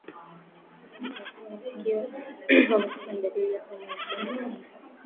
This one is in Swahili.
Ndama kuzaliwa wakiwa wamekufa ni dalili ya homa ya bonde la ufa